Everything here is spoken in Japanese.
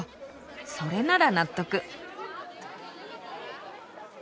それなら納得。